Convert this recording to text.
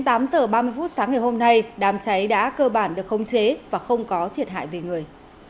tính đến tám h ba mươi sáng ngày hôm nay đám cháy đã cơ bản được khống chế và không có thiệt hại về người